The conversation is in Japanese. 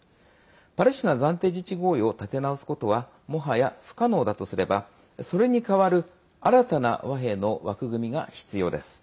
パレスチナ暫定自治合意を立て直すことはもはや不可能だとすればそれに代わる新たな和平の枠組みが必要です。